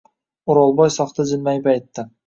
O’rolboy soxta jilmayib aytdi.